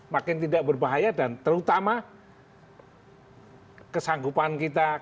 makin tidak berbahaya dan terutama kesanggupan kita